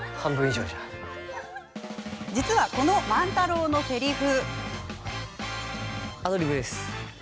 実は、この万太郎のせりふ。